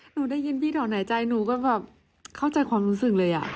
หนูได้ยินพี่แถวไหนใจหนูก็แบบเข้าใจความรู้สึกเลย